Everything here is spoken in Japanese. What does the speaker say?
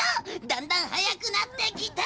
だんだん速くなってきて。